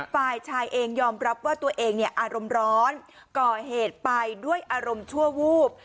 ฝ่ายชายเองยอมรับว่าตัวเองเนี่ยอารมณ์ร้อนก่อเหตุไปด้วยอารมณ์ชั่ววูบ